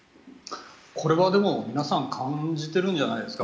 これはでも、皆さん感じてるんじゃないですか。